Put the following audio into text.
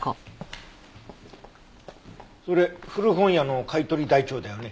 それ古本屋の買い取り台帳だよね。